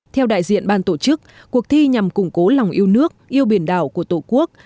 theo đại diện ban tổ chức cuộc thi nhằm củng cố lòng yêu nước yêu biển đảo của tổ quốc